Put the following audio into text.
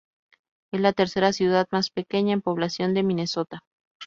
Es la tercera ciudad más pequeña, en población, de Minnesota.